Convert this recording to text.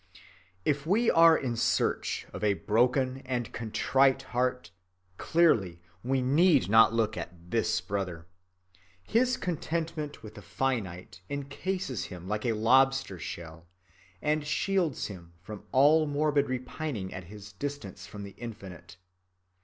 If we are in search of a broken and a contrite heart, clearly we need not look to this brother. His contentment with the finite incases him like a lobster‐shell and shields him from all morbid repining at his distance from the Infinite.